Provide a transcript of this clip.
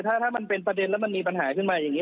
ถ้ามันเป็นประเด็นแล้วมันมีปัญหาขึ้นมาอย่างนี้